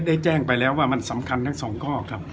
แจ้งไปแล้วว่ามันสำคัญทั้งสองข้อครับ